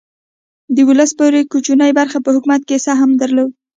د ولس یوې کوچنۍ برخې په حکومت کې سهم درلود.